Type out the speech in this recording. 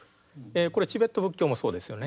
これチベット仏教もそうですよね。